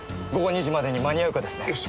午後２時までに間に合うかですね。